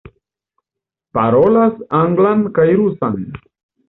Parolas anglan kaj rusan.